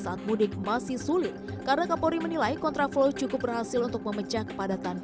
saat mudik masih sulit karena kapolri menilai kontraflow cukup berhasil untuk memecah kepadatan